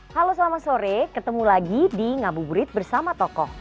halo selamat sore ketemu lagi di ngabuburit bersama tokoh